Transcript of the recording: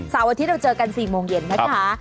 อาทิตย์เราเจอกัน๔โมงเย็นนะคะ